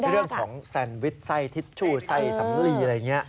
เรื่องของแซนวิชไส้ทิชชู่ไส้สำลีอะไรอย่างนี้